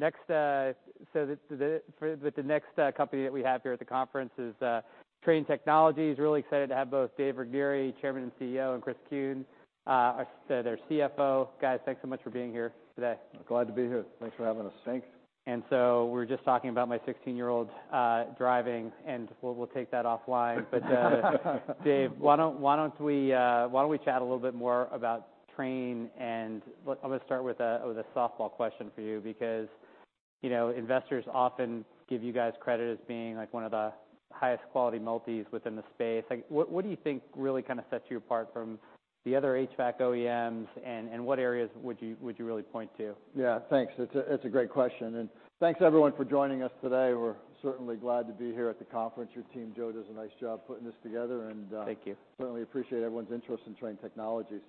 Next, the next company that we have here at the conference is Trane Technologies. Really excited to have both Dave Regnery, Chairman and CEO, and Chris Kuehn, their CFO. Guys, thanks so much for being here today. Glad to be here. Thanks for having us. Thanks. We were just talking about my 16-year-old driving, and we'll take that offline. Dave, why don't we chat a little bit more about Trane? I'm gonna start with a, with a softball question for you because, you know, investors often give you guys credit as being like, one of the highest quality multis within the space. Like, what do you think really kind of sets you apart from the other HVAC OEMs, and what areas would you really point to? Yeah, thanks. It's a great question. Thanks, everyone, for joining us today. We're certainly glad to be here at the conference. Your team, Joe, does a nice job putting this together. Thank you. certainly appreciate everyone's interest in Trane Technologies.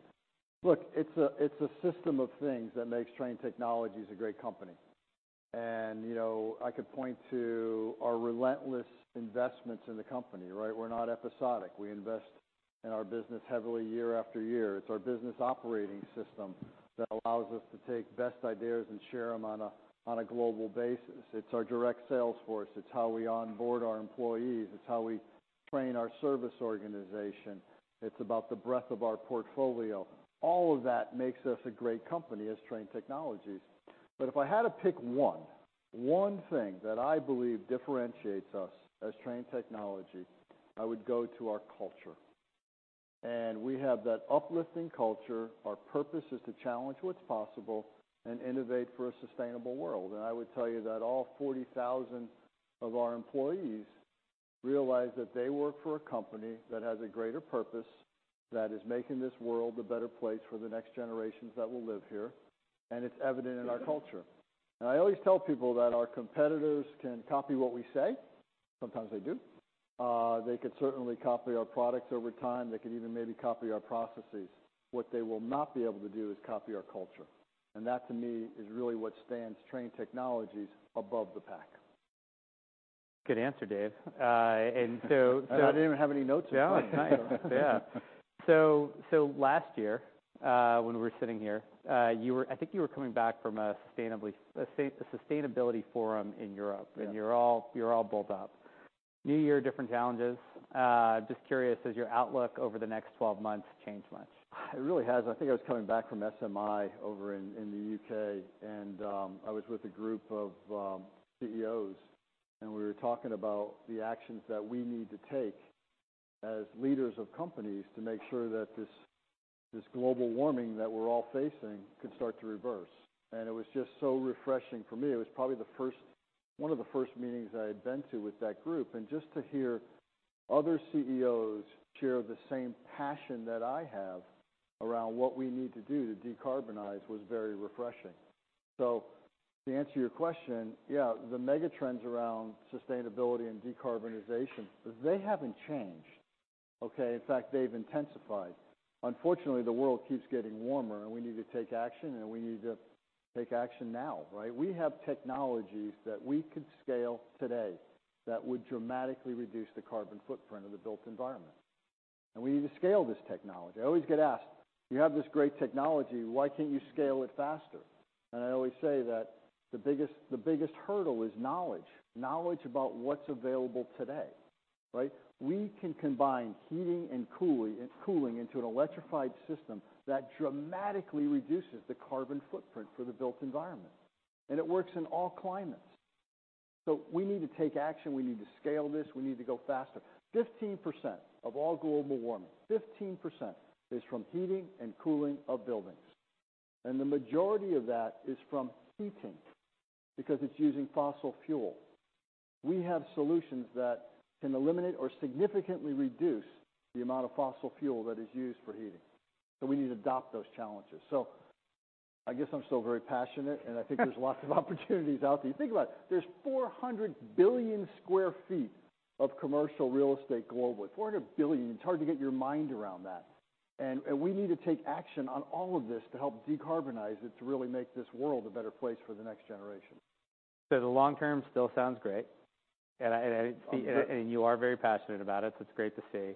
Look, it's a, it's a system of things that makes Trane Technologies a great company. You know, I could point to our relentless investments in the company, right? We're not episodic. We invest in our business heavily year after year. It's our business operating system that allows us to take best ideas and share them on a, on a global basis. It's our direct sales force. It's how we onboard our employees. It's how we train our service organization. It's about the breadth of our portfolio. All of that makes us a great company as Trane Technologies. If I had to pick one thing that I believe differentiates us as Trane Technologies, I would go to our culture. We have that uplifting culture. Our purpose is to challenge what's possible and innovate for a sustainable world. I would tell you that all 40,000 of our employees realize that they work for a company that has a greater purpose, that is making this world a better place for the next generations that will live here, and it's evident in our culture. I always tell people that our competitors can copy what we say. Sometimes they do. They could certainly copy our products over time. They could even maybe copy our processes. What they will not be able to do is copy our culture. That, to me, is really what stands Trane Technologies above the pack. Good answer, Dave. So. I didn't even have any notes or anything. Yeah. Nice. Yeah. Last year, when we were sitting here, you were, I think you were coming back from a sustainability forum in Europe. Yeah. You're all bulled up. New year, different challenges. Just curious, has your outlook over the next 12 months changed much? It really has. I think I was coming back from SMI over in the U.K., I was with a group of CEOs, and we were talking about the actions that we need to take as leaders of companies to make sure that this global warming that we're all facing could start to reverse. It was just so refreshing for me. It was probably the first, one of the first meetings I had been to with that group. Just to hear other CEOs share the same passion that I have around what we need to do to decarbonize was very refreshing. To answer your question, yeah, the mega trends around sustainability and decarbonization, they haven't changed, okay. In fact, they've intensified. Unfortunately, the world keeps getting warmer, and we need to take action, and we need to take action now, right. We have technologies that we could scale today that would dramatically reduce the carbon footprint of the built environment. We need to scale this technology. I always get asked, "You have this great technology. Why can't you scale it faster?" I always say that the biggest hurdle is knowledge about what's available today, right? We can combine heating and cooling into an electrified system that dramatically reduces the carbon footprint for the built environment. It works in all climates. We need to take action. We need to scale this. We need to go faster. 15% of all global warming is from heating and cooling of buildings. The majority of that is from heating because it's using fossil fuel. We have solutions that can eliminate or significantly reduce the amount of fossil fuel that is used for heating. We need to adopt those challenges. I guess I'm still very passionate. I think there's lots of opportunities out there. You think about it, there's 400 billion sq ft of commercial real estate globally. 400 billion. It's hard to get your mind around that. We need to take action on all of this to help decarbonize it, to really make this world a better place for the next generation. The long term still sounds great. I, and I, the, and you are very passionate about it, so it's great to see.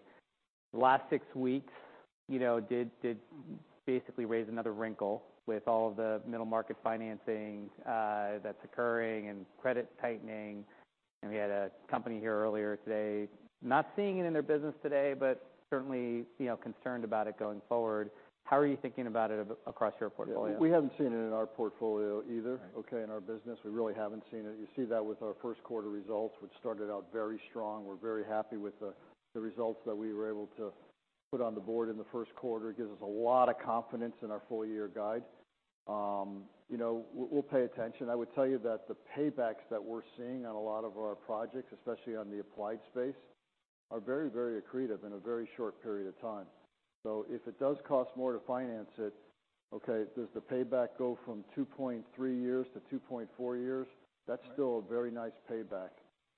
The last six weeks, you know, did basically raise another wrinkle with all of the middle market financing that's occurring and credit tightening. We had a company here earlier today, not seeing it in their business today, but certainly, you know, concerned about it going forward. How are you thinking about it across your portfolio? Yeah. We haven't seen it in our portfolio either. Right. Okay? In our business, we really haven't seen it. You see that with our first quarter results, which started out very strong. We're very happy with the results that we were able to put on the board in the first quarter. It gives us a lot of confidence in our full year guide. You know, we'll pay attention. I would tell you that the paybacks that we're seeing on a lot of our projects, especially on the applied space, are very, very accretive in a very short period of time. If it does cost more to finance it, okay, does the payback go from 2.3 years to 2.4 years? Right. That's still a very nice payback,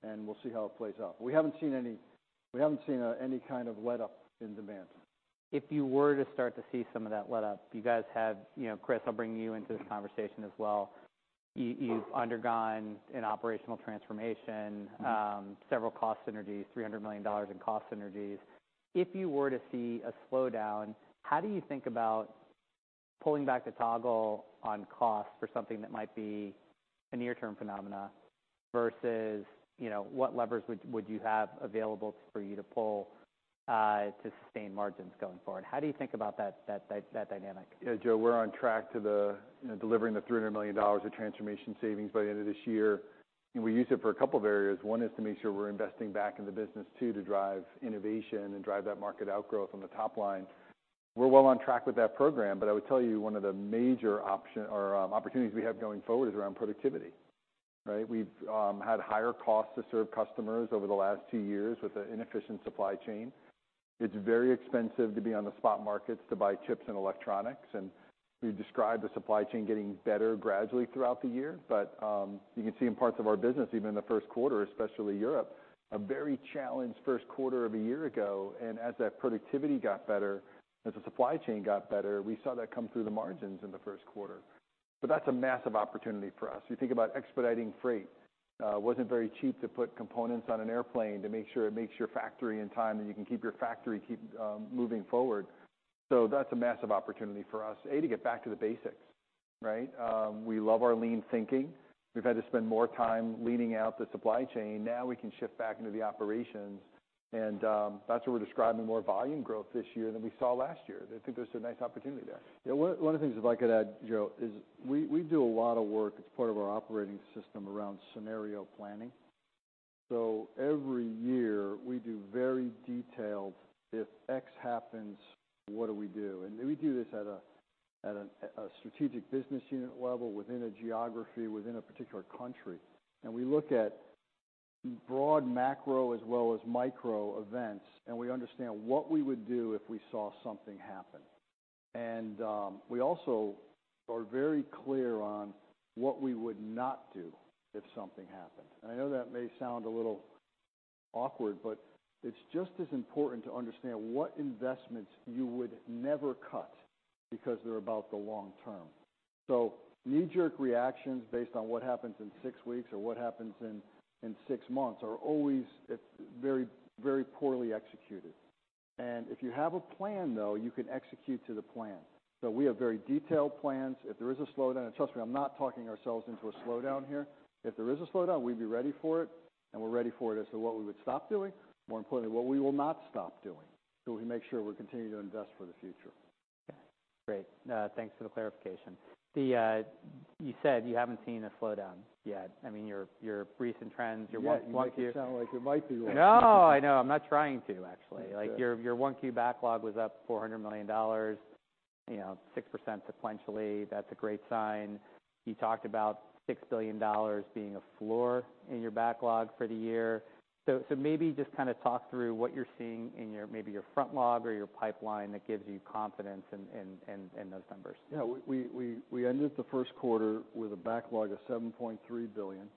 and we'll see how it plays out. We haven't seen any kind of letup in demand. If you were to start to see some of that letup, you guys have... You know, Chris, I'll bring you into this conversation as well. You've undergone an operational transformation- Mm-hmm several cost synergies, $300 million in cost synergies. If you were to see a slowdown, how do you think about pulling back the toggle on cost for something that might be a near-term phenomena versus, you know, what levers would you have available for you to pull, to sustain margins going forward? How do you think about that dynamic? Yeah, Joe, we're on track to the, you know, delivering the $300 million of transformation savings by the end of this year. We use it for a couple of areas. One is to make sure we're investing back in the business. Two, to drive innovation and drive that market outgrowth on the top line. We're well on track with that program, I would tell you one of the major opportunities we have going forward is around productivity, right? We've had higher costs to serve customers over the last two years with an inefficient supply chain. It's very expensive to be on the spot markets to buy chips and electronics, we described the supply chain getting better gradually throughout the year. You can see in parts of our business, even in the first quarter, especially Europe, a very challenged first quarter of a year ago. As that productivity got better, as the supply chain got better, we saw that come through the margins in the first quarter. That's a massive opportunity for us. You think about expediting freight, wasn't very cheap to put components on an airplane to make sure it makes your factory in time, and you can keep your factory moving forward. That's a massive opportunity for us, A, to get back to the basics, right? We love our lean thinking. We've had to spend more time leaning out the supply chain. Now we can shift back into the operations, and that's where we're describing more volume growth this year than we saw last year. I think there's a nice opportunity there. Yeah. One of the things, if I could add, Joe, is we do a lot of work as part of our operating system around scenario planning. Every year, we do very detailed, "If X happens, what do we do?" We do this at a strategic business unit level within a geography, within a particular country. We look at broad macro as well as micro events, and we understand what we would do if we saw something happen. We also are very clear on what we would not do if something happened. I know that may sound a little awkward, but it's just as important to understand what investments you would never cut because they're about the long term. Knee-jerk reactions based on what happens in six weeks or what happens in six months are always it's very poorly executed. If you have a plan, though, you can execute to the plan. We have very detailed plans. If there is a slowdown, and trust me, I'm not talking ourselves into a slowdown here. If there is a slowdown, we'd be ready for it, and we're ready for it as to what we would stop doing, more importantly, what we will not stop doing, so we can make sure we continue to invest for the future. Okay, great. Thanks for the clarification. You said you haven't seen a slowdown yet. I mean, your recent trends, your 1 Q... You make it sound like there might be one. No, I know. I'm not trying to actually. Like your 1Q backlog was up $400 million, you know, 6% sequentially. That's a great sign. You talked about $6 billion being a floor in your backlog for the year. Maybe just kinda talk through what you're seeing in your maybe your front log or your pipeline that gives you confidence in those numbers? Yeah. We ended the first quarter with a backlog of $7.3 billion,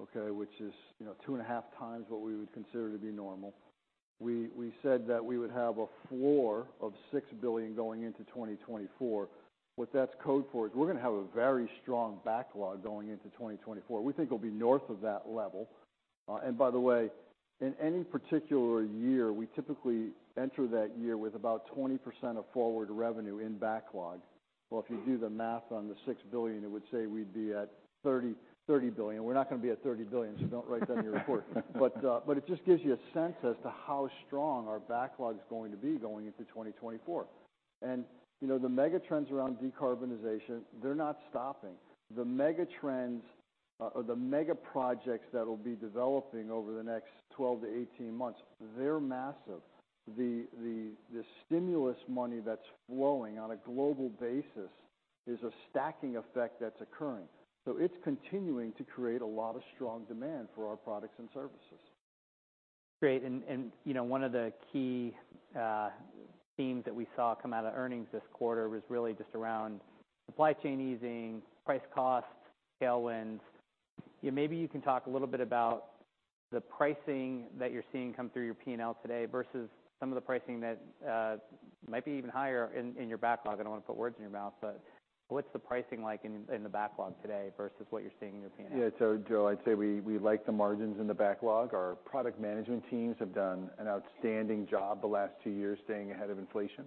okay, which is, you know, two and a half times what we would consider to be normal. We said that we would have a floor of $6 billion going into 2024. What that's code for is we're gonna have a very strong backlog going into 2024. We think it'll be north of that level. By the way, in any particular year, we typically enter that year with about 20% of forward revenue in backlog. If you do the math on the $6 billion, it would say we'd be at $30 billion. We're not gonna be at $30 billion, don't write that in your report. It just gives you a sense as to how strong our backlog's going to be going into 2024. You know, the mega trends around decarbonization, they're not stopping. The mega trends or the mega projects that'll be developing over the next 12-18 months, they're massive. The stimulus money that's flowing on a global basis is a stacking effect that's occurring. It's continuing to create a lot of strong demand for our products and services. Great. You know, one of the key themes that we saw come out of earnings this quarter was really just around supply chain easing, price costs, tailwinds. You know, maybe you can talk a little bit about the pricing that you're seeing come through your P&L today versus some of the pricing that might be even higher in your backlog. I don't wanna put words in your mouth, but what's the pricing like in the backlog today versus what you're seeing in your P&L? Yeah. Joe, I'd say we like the margins in the backlog. Our product management teams have done an outstanding job the last two years staying ahead of inflation.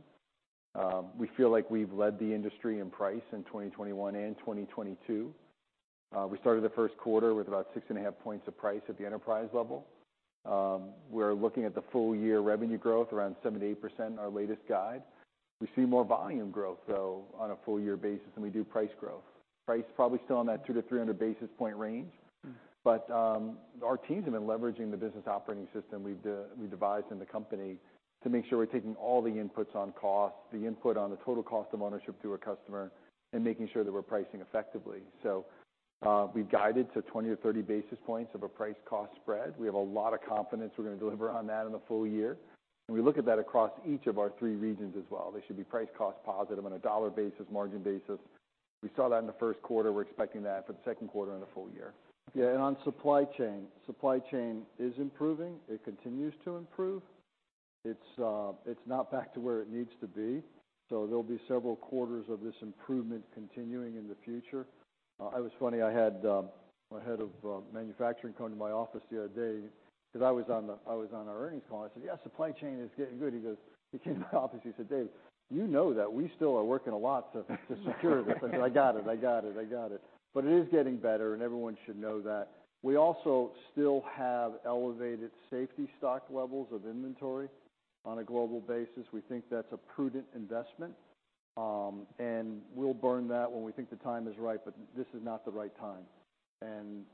We feel like we've led the industry in price in 2021 and 2022. We started the 1st quarter with about 6.5 points of price at the enterprise level. We're looking at the full year revenue growth around 78%, our latest guide. We see more volume growth, though, on a full year basis than we do price growth. Price probably still on that 200-300 basis point range. Our teams have been leveraging the business operating system we'd devised in the company to make sure we're taking all the inputs on cost, the input on the total cost of ownership to a customer, and making sure that we're pricing effectively. We've guided to 20-30 basis points of a price-cost spread. We have a lot of confidence we're gonna deliver on that in the full year. We look at that across each of our three regions as well. They should be price-cost positive on a dollar basis, margin basis. We saw that in the first quarter. We're expecting that for the second quarter and the full year. On supply chain. Supply chain is improving. It continues to improve. It's, it's not back to where it needs to be, so there'll be several quarters of this improvement continuing in the future. It was funny, I had, my head of manufacturing come to my office the other day 'cause I was on the, I was on our earnings call, and I said, "Yes, supply chain is getting good." He came to my office, he said, "Dave, you know that we still are working a lot to secure these things." I got it, I got it, I got it. It is getting better, and everyone should know that. We also still have elevated safety stock levels of inventory on a global basis. We think that's a prudent investment. We'll burn that when we think the time is right, but this is not the right time.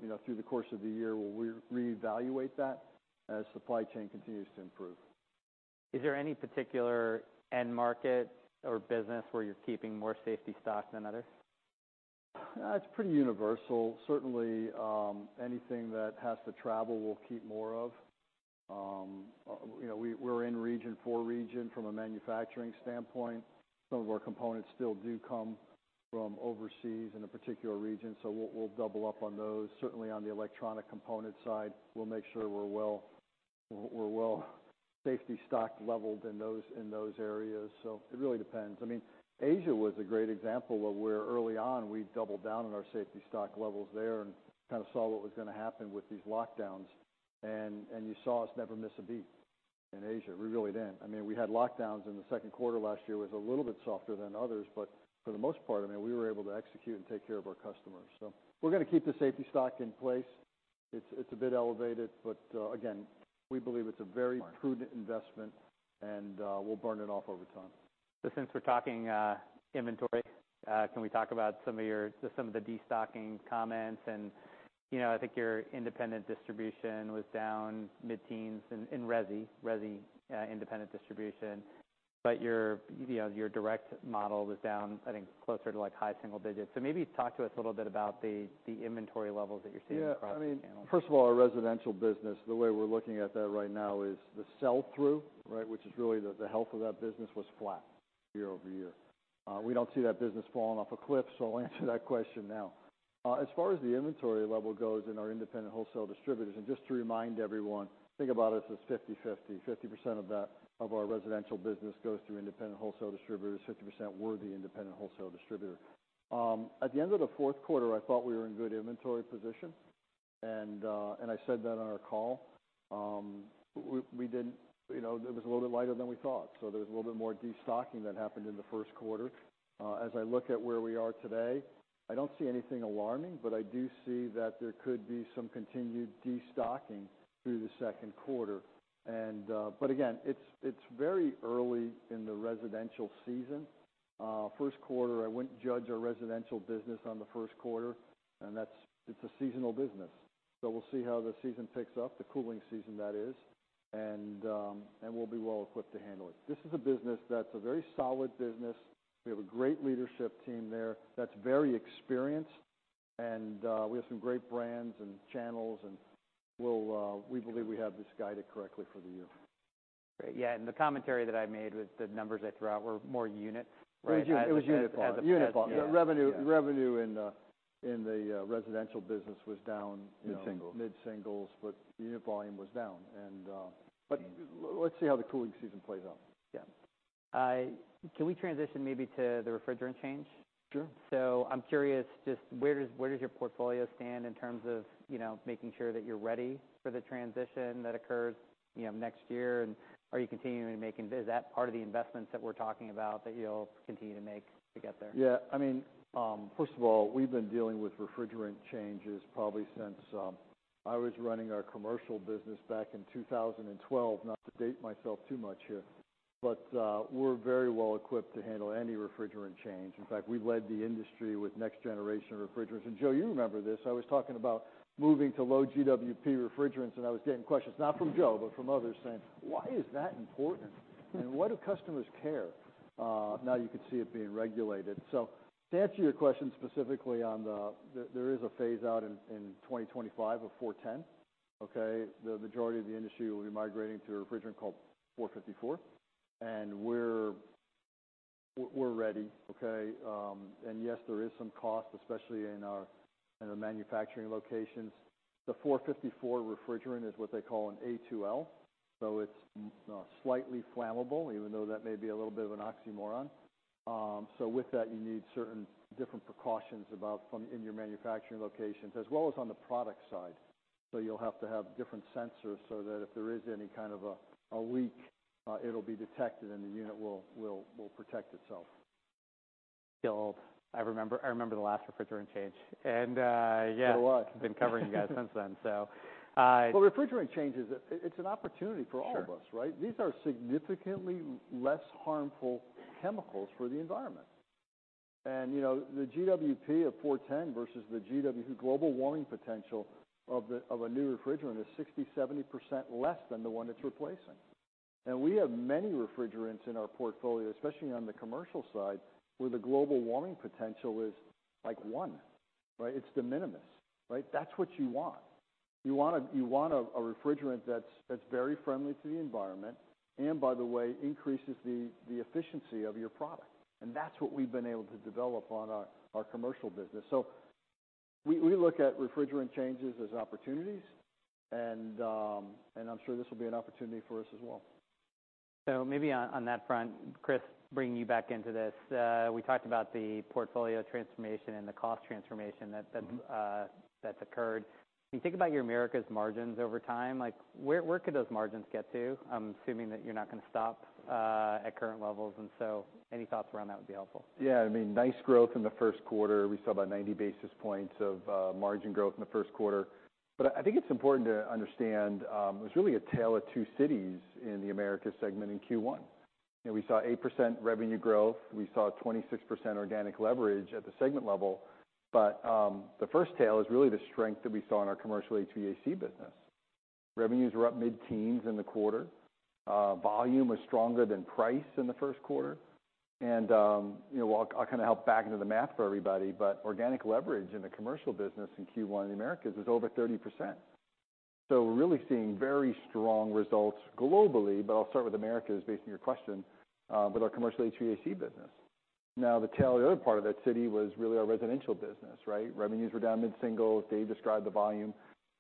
You know, through the course of the year, we'll reevaluate that as supply chain continues to improve. Is there any particular end market or business where you're keeping more safety stock than others? It's pretty universal. Certainly, anything that has to travel, we'll keep more of. You know, we're in region, four region from a manufacturing standpoint. Some of our components still do come from overseas in a particular region, so we'll double up on those. Certainly on the electronic component side, we'll make sure we're well, we're well safety stock leveled in those, in those areas. It really depends. I mean, Asia was a great example of where early on we doubled down on our safety stock levels there and kind of saw what was gonna happen with these lockdowns. You saw us never miss a beat in Asia. We really didn't. I mean, we had lockdowns, and the second quarter last year was a little bit softer than others. For the most part, I mean, we were able to execute and take care of our customers. We're gonna keep the safety stock in place. It's a bit elevated, but again, we believe it's a very prudent investment, and we'll burn it off over time. Since we're talking inventory, can we talk about some of your, just some of the destocking comments? You know, I think your independent distribution was down mid-teens in resi, independent distribution. Your, you know, your direct model was down, I think, closer to, like, high single digits. Maybe talk to us a little bit about the inventory levels that you're seeing across the channel. Yeah. I mean, first of all, our residential business, the way we're looking at that right now is the sell-through, right, which is really the health of that business was flat year-over-year. We don't see that business falling off a cliff, I'll answer that question now. As far as the inventory level goes in our independent wholesale distributors, just to remind everyone, think about us as 50/50. 50% of that, of our residential business goes through independent wholesale distributors, 50%, we're the independent wholesale distributor. At the end of the fourth quarter, I thought we were in good inventory position, and I said that on our call. We did, you know, it was a little bit lighter than we thought, there was a little bit more destocking that happened in the first quarter. As I look at where we are today, I don't see anything alarming, but I do see that there could be some continued destocking through the second quarter. Again, it's very early in the residential season. First quarter, I wouldn't judge our residential business on the first quarter, and that's, it's a seasonal business. We'll see how the season picks up, the cooling season that is, and we'll be well equipped to handle it. This is a business that's a very solid business. We have a great leadership team there that's very experienced, and we have some great brands and channels, and we'll, we believe we have this guided correctly for the year. Great. Yeah. The commentary that I made with the numbers I threw out were more unit, right? It was unit volume. Unit volume. Yeah. Revenue in the residential business was down. Mid-singles... you know, mid-singles, but unit volume was down. Let's see how the cooling season plays out. Yeah. Can we transition maybe to the refrigerant change? Sure. I'm curious just where does your portfolio stand in terms of, you know, making sure that you're ready for the transition that occurs, you know, next year? Are you continuing to make. Is that part of the investments that we're talking about that you'll continue to make to get there? Yeah. I mean, first of all, we've been dealing with refrigerant changes probably since I was running our commercial business back in 2012, not to date myself too much here. We're very well equipped to handle any refrigerant change. In fact, we've led the industry with next generation refrigerants. Joe, you remember this. I was talking about moving to low GWP refrigerants, and I was getting questions, not from Joe, but from others saying: Why is that important? Why do customers care? Now you can see it being regulated. To answer your question specifically on the... There is a phase out in 2025 of 410, okay? The majority of the industry will be migrating to a refrigerant called 454, and we're ready, okay? Yes, there is some cost, especially in our, in our manufacturing locations. The 454 refrigerant is what they call an A2L, so it's slightly flammable, even though that may be a little bit of an oxymoron. With that, you need certain different precautions about from in your manufacturing locations, as well as on the product side. You'll have to have different sensors so that if there is any kind of a leak, it'll be detected, and the unit will protect itself. I remember the last refrigerant change. yeah. It was a lot. Been covering you guys since then, so. Well, refrigerant changes, it's an opportunity for all of us, right? Sure. These are significantly less harmful chemicals for the environment. You know, the GWP of four ten versus the global warming potential of the, of a new refrigerant is 60%, 70% less than the one it's replacing. We have many refrigerants in our portfolio, especially on the commercial side, where the global warming potential is, like, one, right? It's de minimis, right? That's what you want. You want a refrigerant that's very friendly to the environment and, by the way, increases the efficiency of your product. That's what we've been able to develop on our commercial business. We, we look at refrigerant changes as opportunities, and I'm sure this will be an opportunity for us as well. Maybe on that front, Chris, bringing you back into this. We talked about the portfolio transformation and the cost transformation. Mm-hmm... that's occurred. When you think about your Americas margins over time, like where could those margins get to? I'm assuming that you're not gonna stop at current levels, and so any thoughts around that would be helpful. Yeah. I mean, nice growth in the first quarter. We saw about 90 basis points of margin growth in the first quarter. I think it's important to understand, it was really a tale of two cities in the Americas segment in Q1. You know, we saw 8% revenue growth. We saw 26% organic leverage at the segment level. The first tale is really the strength that we saw in our commercial HVAC business. Revenues were up mid-teens in the quarter. Volume was stronger than price in the first quarter. You know, while I'll kind of help back into the math for everybody, but organic leverage in the commercial business in Q1 in Americas is over 30%. We're really seeing very strong results globally, but I'll start with Americas based on your question, with our commercial HVAC business. The tale, the other part of that city was really our residential business, right? Revenues were down mid-single %. Dave described the volume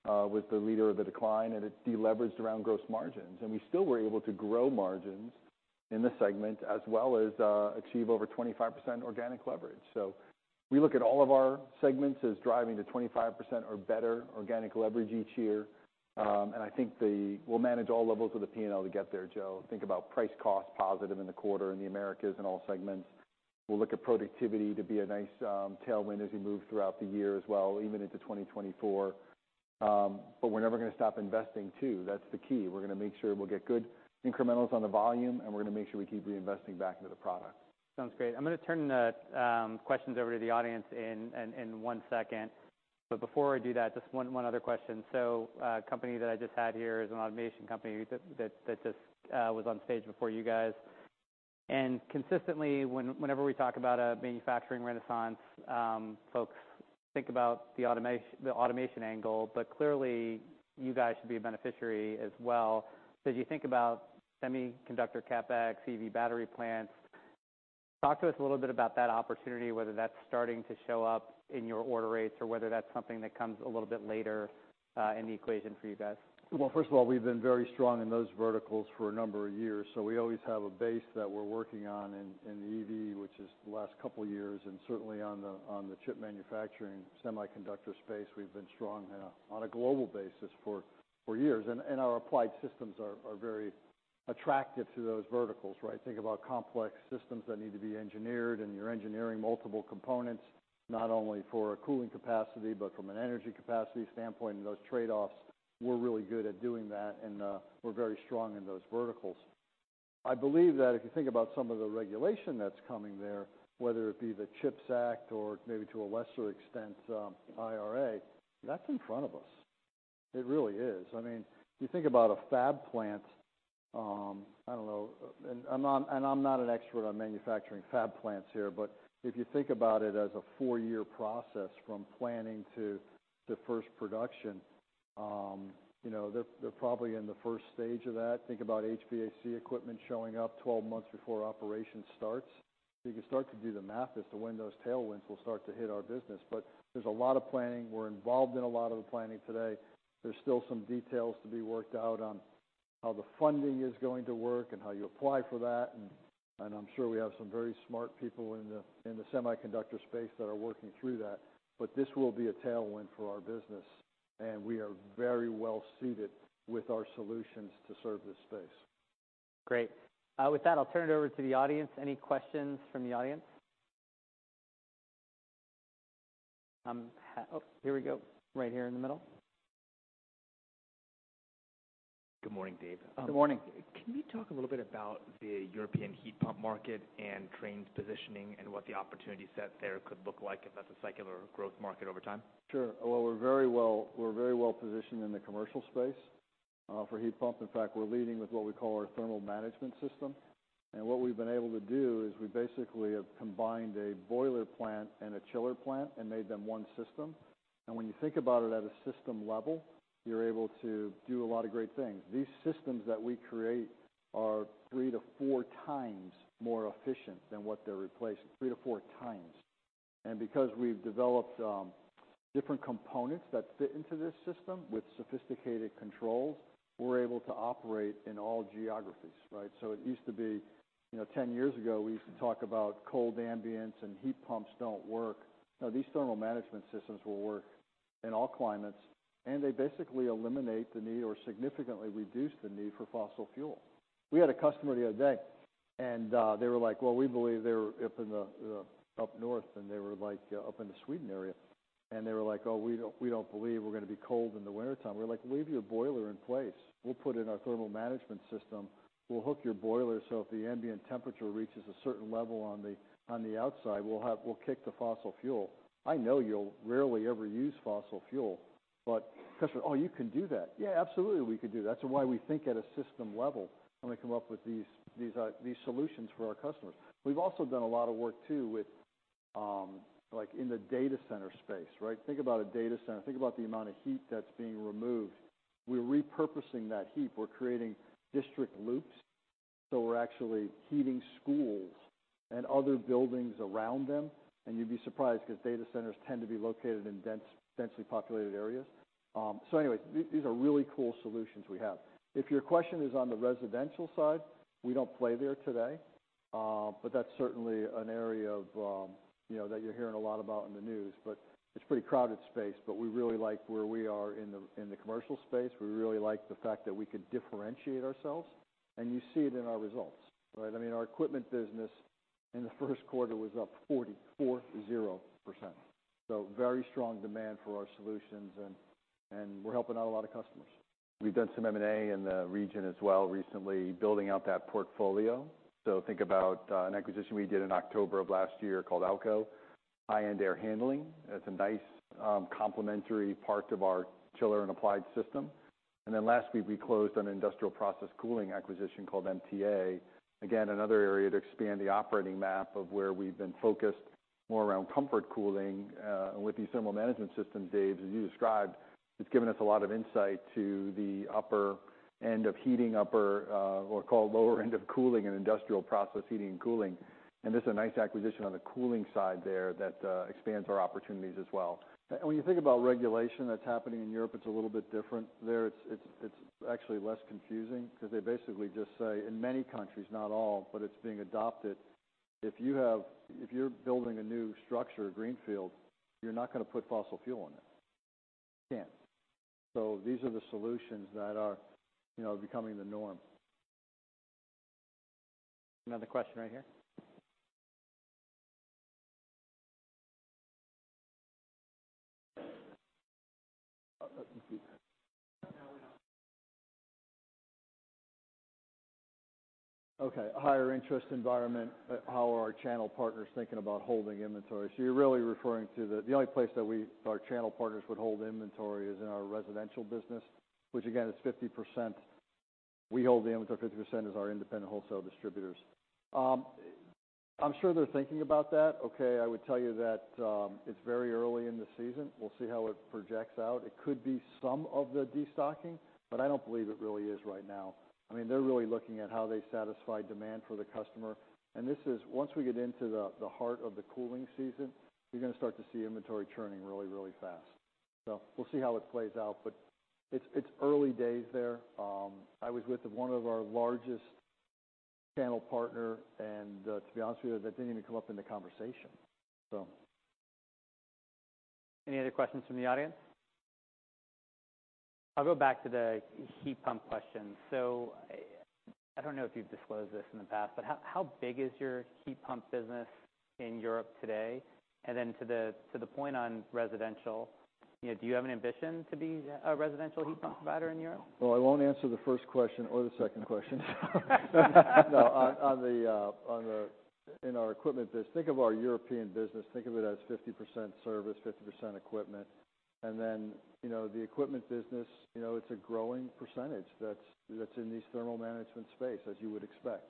was the leader of the decline, it de-leveraged around gross margins. We still were able to grow margins in this segment as well as achieve over 25% organic leverage. We look at all of our segments as driving to 25% or better organic leverage each year. We'll manage all levels of the P&L to get there, Joe. Think about price cost positive in the quarter in the Americas and all segments. We'll look at productivity to be a nice tailwind as we move throughout the year as well, even into 2024. We're never gonna stop investing too. That's the key. We're gonna make sure we'll get good incrementals on the volume, and we're gonna make sure we keep reinvesting back into the product. Sounds great. I'm gonna turn the questions over to the audience in one second. Before I do that, just one other question. A company that I just had here is an automation company that just was on stage before you guys. Consistently, whenever we talk about a manufacturing renaissance, folks think about the automation angle, but clearly you guys should be a beneficiary as well. As you think about semiconductor CapEx, EV battery plants, talk to us a little bit about that opportunity, whether that's starting to show up in your order rates or whether that's something that comes a little bit later in the equation for you guys. Well, first of all, we've been very strong in those verticals for a number of years, so we always have a base that we're working on in the EV, which is the last couple of years, and certainly on the chip manufacturing semiconductor space, we've been strong on a global basis for years. Our applied systems are very attractive to those verticals, right? Think about complex systems that need to be engineered, and you're engineering multiple components, not only for a cooling capacity, but from an energy capacity standpoint and those trade-offs, we're really good at doing that, and we're very strong in those verticals. I believe that if you think about some of the regulation that's coming there, whether it be the CHIPS Act or maybe to a lesser extent, IRA, that's in front of us. It really is. I mean, you think about a fab plant, I don't know. I'm not an expert on manufacturing fab plants here, but if you think about it as a four-year process from planning to first production, you know, they're probably in the first stage of that. Think about HVAC equipment showing up 12 months before operation starts. You can start to do the math as to when those tailwinds will start to hit our business. There's a lot of planning. We're involved in a lot of the planning today. There's still some details to be worked out on how the funding is going to work and how you apply for that. I'm sure we have some very smart people in the semiconductor space that are working through that. This will be a tailwind for our business, and we are very well suited with our solutions to serve this space. Great. With that, I'll turn it over to the audience. Any questions from the audience? Oh, here we go, right here in the middle. Good morning, Dave. Good morning. Can you talk a little bit about the European heat pump market and Trane's positioning and what the opportunity set there could look like if that's a secular growth market over time? Sure. Well, we're very well positioned in the commercial space for heat pump. In fact, we're leading with what we call our thermal management system. What we've been able to do is we basically have combined a boiler plant and a chiller plant and made them one system. When you think about it at a system level, you're able to do a lot of great things. These systems that we create are three to four times more efficient than what they're replacing, three to four times. Because we've developed different components that fit into this system with sophisticated controls, we're able to operate in all geographies, right? It used to be, you know, 10 years ago, we used to talk about cold ambience and heat pumps don't work. These thermal management systems will work in all climates, and they basically eliminate the need or significantly reduce the need for fossil fuel. We had a customer the other day, they were like, "Well, we believe they're up in the up north," they were like, up in the Sweden area. They were like, "Oh, we don't believe we're gonna be cold in the wintertime." We're like, "Leave your boiler in place. We'll put in our thermal management system. We'll hook your boiler, so if the ambient temperature reaches a certain level on the, on the outside, we'll kick the fossil fuel. I know you'll rarely ever use fossil fuel," but customer, "Oh, you can do that?" "Yeah, absolutely, we could do that." That's why we think at a system level when we come up with these solutions for our customers. We've also done a lot of work too with, like in the data center space, right? Think about a data center. Think about the amount of heat that's being removed. We're repurposing that heat. We're creating district loops, so we're actually heating schools and other buildings around them. You'd be surprised because data centers tend to be located in densely populated areas. Anyway, these are really cool solutions we have. If your question is on the residential side, we don't play there today, but that's certainly an area of, you know, that you're hearing a lot about in the news, but it's pretty crowded space. We really like where we are in the commercial space. We really like the fact that we can differentiate ourselves, and you see it in our results. Right? I mean, our equipment business in the first quarter was up 44.0%. Very strong demand for our solutions and we're helping out a lot of customers. We've done some M&A in the region as well recently, building out that portfolio. Think about an acquisition we did in October of last year called AL-KO, high-end air handling. That's a nice, complementary part of our chiller and applied system. Then last week, we closed on an industrial process cooling acquisition called MTA. Another area to expand the operating map of where we've been focused more around comfort cooling, with these thermal management systems, Dave, as you described, it's given us a lot of insight to the upper end of heating, upper, or call lower end of cooling and industrial process heating and cooling. This is a nice acquisition on the cooling side there that expands our opportunities as well. When you think about regulation that's happening in Europe, it's a little bit different there. It's actually less confusing because they basically just say in many countries, not all, but it's being adopted. If you're building a new structure, a greenfield, you're not gonna put fossil fuel in it. You can't. These are the solutions that are, you know, becoming the norm. Another question right here. Okay. A higher interest environment, how are our channel partners thinking about holding inventory? You're really referring to the only place that we, our channel partners would hold inventory is in our residential business, which again is 50%. We hold the inventory, 50% is our independent wholesale distributors. I'm sure they're thinking about that. Okay. I would tell you that, it's very early in the season. We'll see how it projects out. It could be some of the destocking, but I don't believe it really is right now. I mean, they're really looking at how they satisfy demand for the customer. This is, once we get into the heart of the cooling season, you're gonna start to see inventory churning really, really fast. We'll see how it plays out, but it's early days there. I was with one of our largest channel partner, and to be honest with you, that didn't even come up in the conversation. Any other questions from the audience? I'll go back to the heat pump question. I don't know if you've disclosed this in the past, but how big is your heat pump business in Europe today? To the point on residential, you know, do you have an ambition to be a residential heat pump provider in Europe? Well, I won't answer the first question or the second question. No. On the in our equipment business, think of our European business, think of it as 50% service, 50% equipment. You know, the equipment business, you know, it's a growing percentage that's in this thermal management space, as you would expect.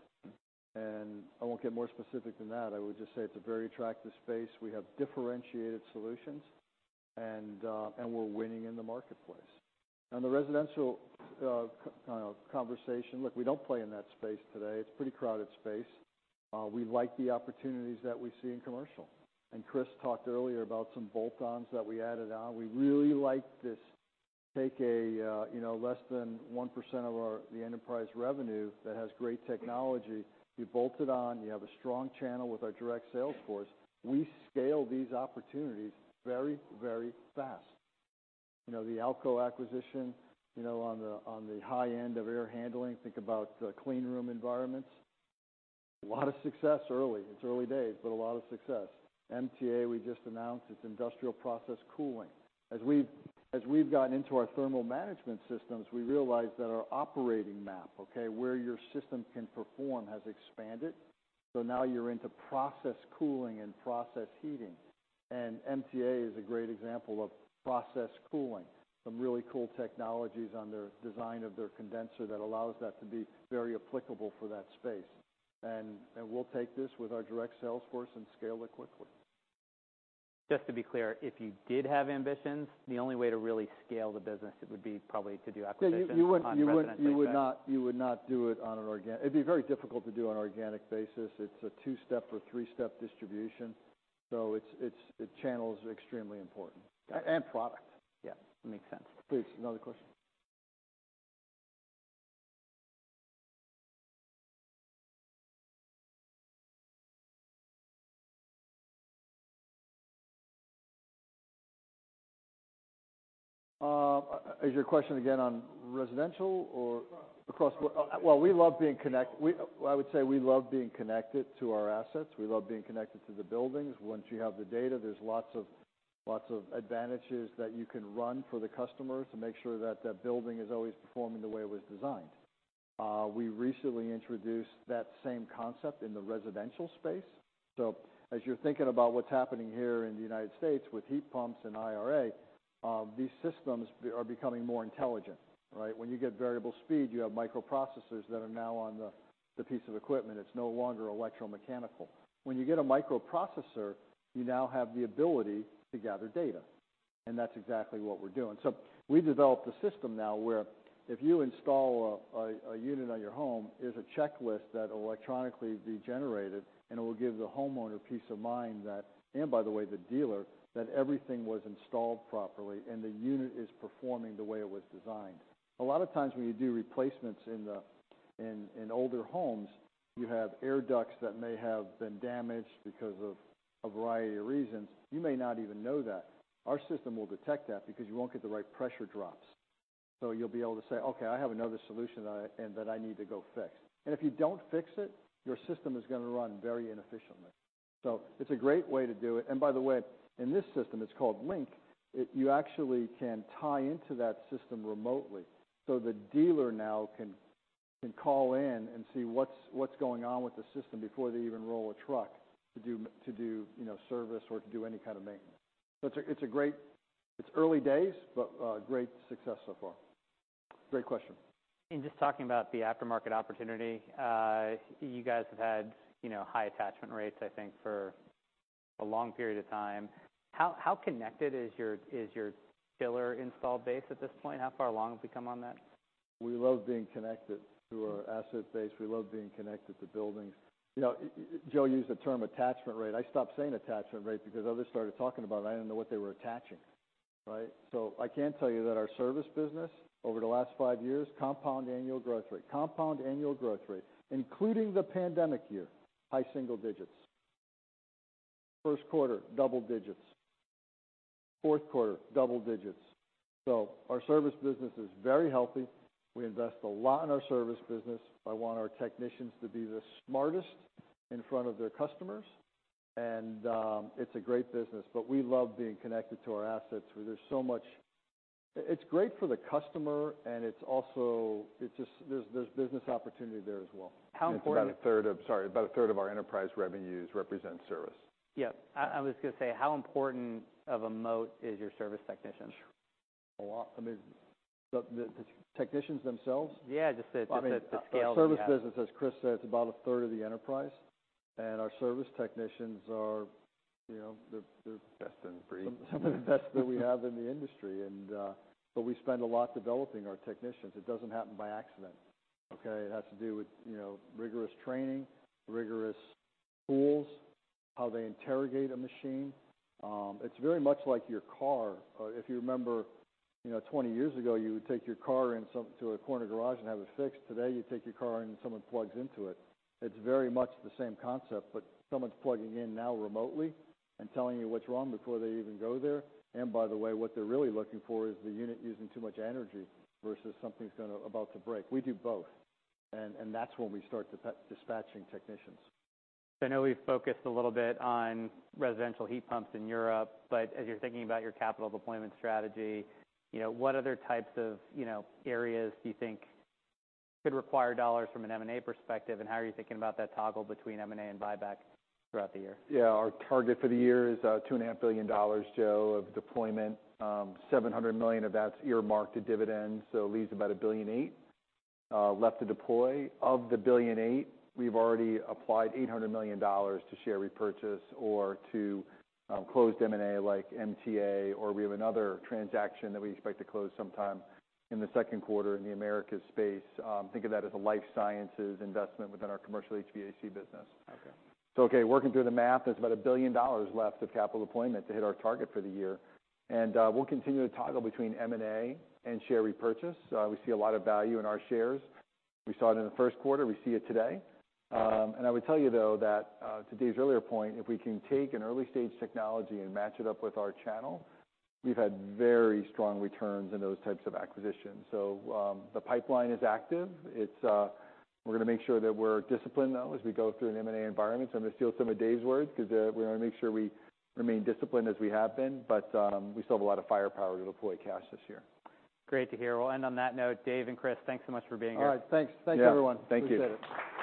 I won't get more specific than that. I would just say it's a very attractive space. We have differentiated solutions, and we're winning in the marketplace. On the residential conversation, look, we don't play in that space today. It's pretty crowded space. We like the opportunities that we see in commercial, Chris talked earlier about some bolt-ons that we added on. We really like this, take a, you know, less than 1% of our, the enterprise revenue that has great technology. You bolt it on, you have a strong channel with our direct sales force. We scale these opportunities very, very fast. You know, the AL-KO acquisition, you know, on the, on the high end of air handling, think about clean room environments. A lot of success early. It's early days, but a lot of success. MTA, we just announced, it's industrial process cooling. As we've, as we've gotten into our thermal management systems, we realized that our operating map, okay, where your system can perform, has expanded. Now you're into process cooling and process heating. MTA is a great example of process cooling. Some really cool technologies on their design of their condenser that allows that to be very applicable for that space. We'll take this with our direct sales force and scale it quickly. Just to be clear, if you did have ambitions, the only way to really scale the business, it would be probably to do acquisitions on residential side? Yeah. You would not do it on an organic basis. It's a two-step or three-step distribution, so it's the channel is extremely important and product. Yeah, makes sense. Please, another question. Is your question again on residential? Across. Across board. Well, I would say we love being connected to our assets. We love being connected to the buildings. Once you have the data, there's lots of advantages that you can run for the customer to make sure that that building is always performing the way it was designed. We recently introduced that same concept in the residential space. As you're thinking about what's happening here in the United States with heat pumps and IRA, these systems are becoming more intelligent, right? When you get variable speed, you have microprocessors that are now on the piece of equipment. It's no longer electromechanical. When you get a microprocessor, you now have the ability to gather data. That's exactly what we're doing. We developed a system now where if you install a unit on your home, there's a checklist that'll electronically be generated, and it will give the homeowner peace of mind that, and by the way, the dealer, that everything was installed properly and the unit is performing the way it was designed. A lot of times, when you do replacements in older homes, you have air ducts that may have been damaged because of a variety of reasons. You may not even know that. Our system will detect that because you won't get the right pressure drops. You'll be able to say, "Okay, I have another solution that I need to go fix." If you don't fix it, your system is gonna run very inefficiently. It's a great way to do it. By the way, in this system, it's called Link, you actually can tie into that system remotely. The dealer now can call in and see what's going on with the system before they even roll a truck to do, you know, service or to do any kind of maintenance. It's a great. It's early days, but great success so far. Great question. Just talking about the aftermarket opportunity, you guys have had, you know, high attachment rates, I think, for a long period of time. How connected is your dealer install base at this point? How far along have we come on that? We love being connected to our asset base. We love being connected to buildings. You know, Joe used the term attachment rate. I stopped saying attachment rate because others started talking about it. I didn't know what they were attaching, right? I can tell you that our service business over the last five years, compound annual growth rate, including the pandemic year, high single digits. First quarter, double digits. Fourth quarter, double digits. Our service business is very healthy. We invest a lot in our service business. I want our technicians to be the smartest in front of their customers, and it's a great business. We love being connected to our assets where there's so much... It's great for the customer, and it's just business opportunity there as well. How important- Sorry, about a third of our enterprise revenues represent service. Yeah. I was gonna say, how important of a moat is your service technicians? A lot. I mean, the technicians themselves? Yeah, just the scale you have. I mean, our service business, as Chris said, it's about a third of the enterprise, and our service technicians are, you know, they're Best in breed, some of the best that we have in the industry. But we spend a lot developing our technicians. It doesn't happen by accident, okay? It has to do with, you know, rigorous training, rigorous tools, how they interrogate a machine. It's very much like your car. If you remember, you know, 20 years ago, you would take your car in to a corner garage and have it fixed. Today, you take your car in and someone plugs into it. It's very much the same concept, but someone's plugging in now remotely and telling you what's wrong before they even go there. By the way, what they're really looking for is the unit using too much energy versus something's about to break. We do both, and that's when we start dispatching technicians. I know we've focused a little bit on residential heat pumps in Europe, but as you're thinking about your capital deployment strategy, you know, what other types of, you know, areas do you think could require dollars from an M&A perspective, and how are you thinking about that toggle between M&A and buyback throughout the year? Yeah. Our target for the year is, two and a half billion dollars, Joe, of deployment. $700 million of that's earmarked to dividends, so it leaves about $1.8 billion left to deploy. Of the $1.8 billion, we've already applied $800 million to share repurchase or to, closed M&A, like MTA, or we have another transaction that we expect to close sometime in the second quarter in the Americas space. Think of that as a life sciences investment within our commercial HVAC business. Okay. Okay, working through the math, there's about $1 billion left of capital deployment to hit our target for the year. We'll continue to toggle between M&A and share repurchase. We see a lot of value in our shares. We saw it in the first quarter. We see it today. And I would tell you, though, that to Dave's earlier point, if we can take an early-stage technology and match it up with our channel, we've had very strong returns in those types of acquisitions. The pipeline is active. We're gonna make sure that we're disciplined, though, as we go through an M&A environment. I'm gonna steal some of Dave's words because we wanna make sure we remain disciplined as we have been, but we still have a lot of firepower to deploy cash this year. Great to hear. We'll end on that note. Dave and Chris, thanks so much for being here. All right. Thanks. Yeah. Thanks, everyone. Thank you. Appreciate it.